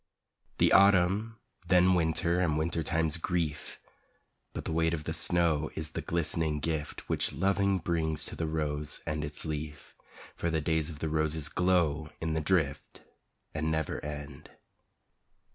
The Autumn, then Winter and wintertime's grief! But the weight of the snow is the glistening gift Which loving brings to the rose and its leaf, For the days of the roses glow in the drift And never end.